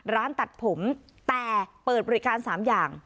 ร้านตัดผมแต่เปิดบริการ๓อย่าง